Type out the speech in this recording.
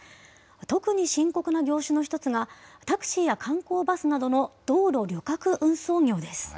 特に深刻な業種の一つが、タクシーや観光バスなどの道路旅客運送業です。